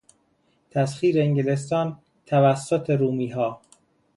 تسخیر انگلستان توسط رومیها